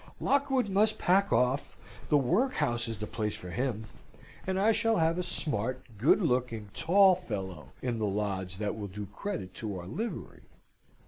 "Lockwood must pack off; the workhouse is the place for him; and I shall have a smart, good looking, tall fellow in the lodge that will do credit to our livery."